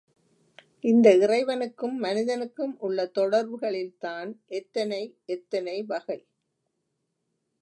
இந்த இறைவனுக்கும் மனிதனுக்கும் உள்ள தொடர்புகளில்தான் எத்தனை எத்தனைவகை.